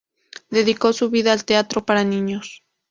Dedicó su vida al teatro para niños.